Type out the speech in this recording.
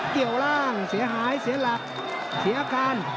เกี่ยวร่างเสียหายเสียหลักเสียอาการ